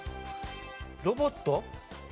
ロボット？